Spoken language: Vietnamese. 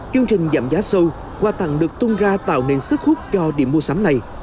chương trình giảm giá sâu quà tặng được tung ra tạo nên sức hút cho điểm mua sắm này